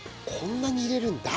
こんなに入れるの？